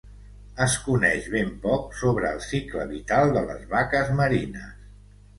Es coneix ben poc sobre el cicle vital de les vaques marines.